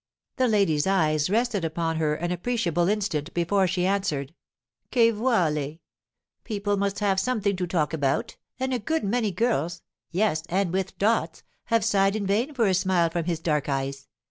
The lady's eyes rested upon her an appreciable instant before she answered: 'Che vuole? People must have something to talk about, and a good many girls—yes, and with dots—have sighed in vain for a smile from his dark eyes.